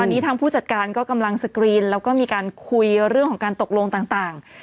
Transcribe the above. ตอนนี้ทางผู้จัดการก็กำลังสกรีนแล้วก็มีการคุยเรื่องของการตกลงต่าง